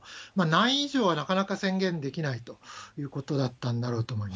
ない以上はなかなか宣言できないということだったんだろうと思い